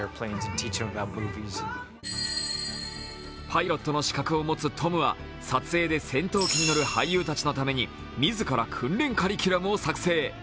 パイロットの資格を持つトムは撮影で戦闘機に乗る俳優たちのために自ら訓練カリキュラムを作成。